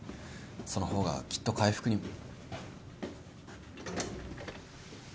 その方がきっと回復にも。